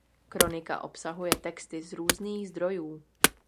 Kronika obsahuje texty z různých zdrojů.